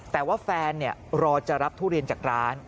แต่ว่าแฟนรอจะรับทุเรียนจากร้าน